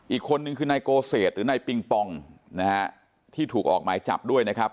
อีกคนนึงคือนายโกเศษหรือนายปิงปองนะฮะที่ถูกออกหมายจับด้วยนะครับ